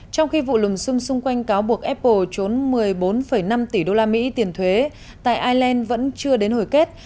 trong khi vụ lùm xong xung quanh cáo buộc apple trốn một mươi bốn năm tỷ usd tiền thuế tại ireland vẫn chưa đến hồi kết